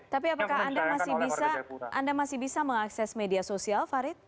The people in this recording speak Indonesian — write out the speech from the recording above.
tapi apakah anda masih bisa mengakses media sosial farid